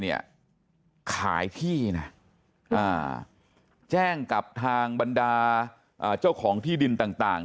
เนี่ยขายที่น่ะอ่าแจ้งกับทางบรรดาอ่าเจ้าของที่ดินต่างต่าง